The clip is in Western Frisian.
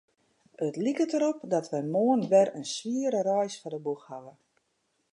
It liket derop dat wy moarn wer in swiere reis foar de boech hawwe.